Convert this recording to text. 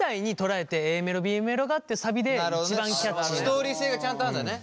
ストーリー性がちゃんとあるんだね。